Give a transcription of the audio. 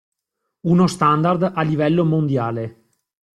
Uno standard a livello mondiale.